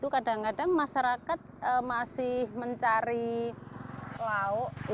kadang kadang masyarakat masih mencari lauk